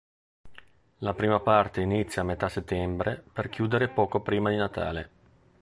La prima parte inizia a metà settembre per chiudere poco prima di Natale.